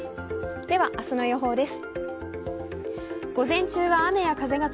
では明日の予報です。